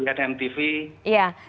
selamat sore para pemirsa asian mtv